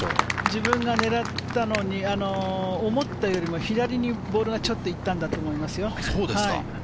自分が狙ったのと思ったよりも左にボールがちょっと行ったんだと思いますよ。